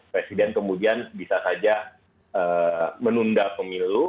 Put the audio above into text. presiden kemudian bisa saja menunda pemilu